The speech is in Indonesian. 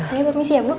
saya permisi ya bu